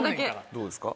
どうですか？